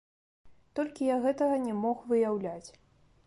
Толькі я гэтага не мог выяўляць.